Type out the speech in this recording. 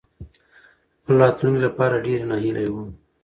خپل راتلونکې لپاره ډېرې ناهيلې وم.